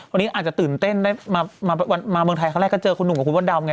วันนี้อาจจะตื่นเต้นได้มาเมืองไทยครั้งแรกก็เจอคุณหนุ่มกับคุณมดดำไง